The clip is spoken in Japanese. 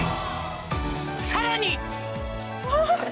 「さらに」